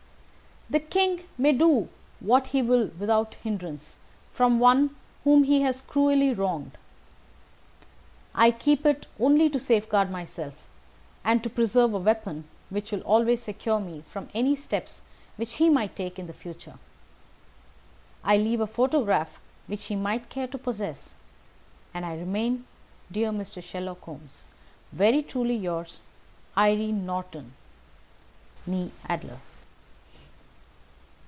The King may do what he will without hindrance from one whom he has cruelly wronged. I keep it only to safeguard myself, and to preserve a weapon which will always secure me from any steps which he might take in the future. I leave a photograph which he might care to possess; and I remain, dear Mr. Sherlock Holmes, very truly yours, "Irene Norton, née Adler."